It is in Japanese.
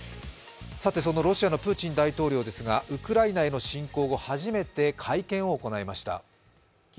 そのロシアのプーチン大統領ですがウクライナへの侵攻後、初めて会見を行いました。